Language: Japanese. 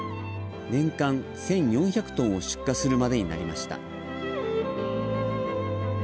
年間１４００トンを出荷するまでになりました。